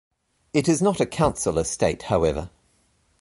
It is not a council estate however.